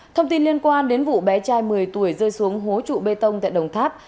thông tin liên quan đến vụ bé trai một mươi tuổi rơi xuống hố trụ bê tông tại đồng tháp